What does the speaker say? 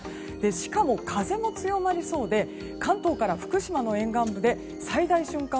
しかも風も強まりそうで関東から福島の沿岸部で最大瞬間